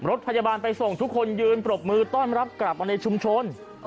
รถพยาบาลไปส่งทุกคนยืนปรบมือต้อนรับกลับมาในชุมชน